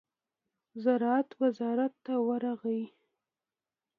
زراعت وزارت ته ورغی.